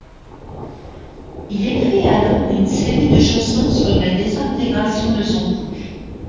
Il écrit alors une série de chansons sur la désintégration de son couple.